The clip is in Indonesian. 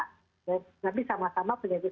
tapi sama sama berbeda